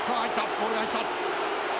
ボールが入った。